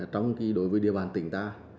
trong khi đối với địa bàn tỉnh ta